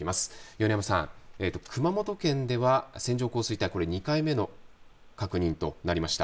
米山さん、熊本県では線状降水帯、２回目の確認となりました。